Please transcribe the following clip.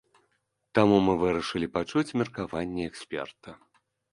Таму мы вырашылі пачуць меркаванне эксперта.